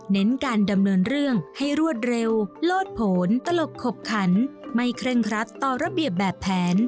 เน้นการดำเนินเรื่องให้รวดเร็วโลดผลตลกขบขันไม่เคร่งครัดต่อระเบียบแบบแผน